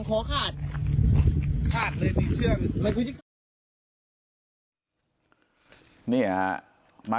พอดีเลย